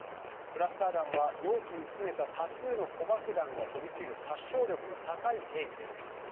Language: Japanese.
クラスター弾は容器に詰めた多数の子爆弾が飛び散る殺傷能力の高い兵器です。